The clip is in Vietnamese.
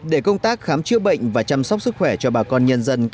để công tác khám chữa bệnh và chăm sóc sức khỏe cho bà con nhân dân